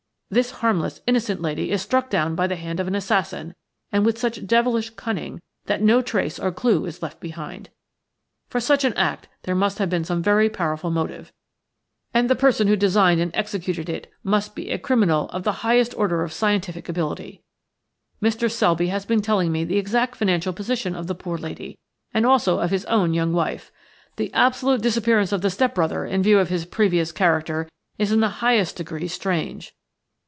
This harmless, innocent lady is struck down by the hand of an assassin, and with such devilish cunning that no trace or clue is left behind. For such an act there must have been some very powerful motive, and the person who designed and executed it must be a criminal the highest order of scientific ability. Mr. Selby has been telling me the exact financial position of the poor lady, and also of his own young wife. The absolute disappearance of the step brother, in view of his previous character, is in the highest degree strange.